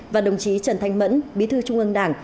và đồng chí trần thanh mẫn bí thư trung ương đảng